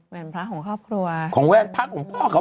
แวนพระของครอบครัวของแวนพระของพ่อเขา